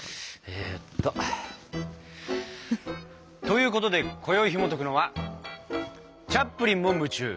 えっと。ということでこよいひもとくのは「チャップリンも夢中！